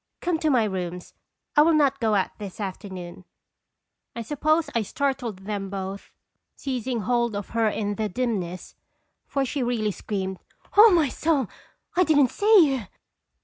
Come to my rooms I will not go out this afternoon." I suppose 1 startled them both, seizing hold of her in the dimness, for she really screamed : "O my soul! I didn't see you!"